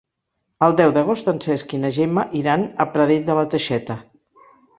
El deu d'agost en Cesc i na Gemma iran a Pradell de la Teixeta.